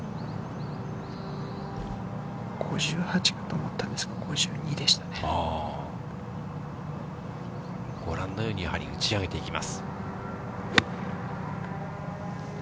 ５８と思ったんですけども、ご覧のようにやはり、打ち上げていきます。